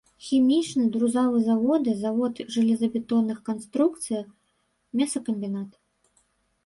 Хімічны, друзавы заводы, завод жалезабетонных канструкцыя, мясакамбінат.